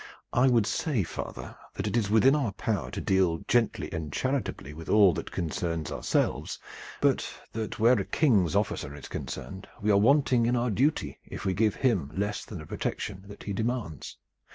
"I would say, father, that it is within our power to deal gently and charitably with all that concerns ourselves, but that where a the King's officer is concerned we are wanting in our duty if we give him less than the protection that he demands.